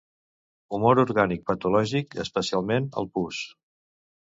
Humor orgànic patològic, especialment el pus.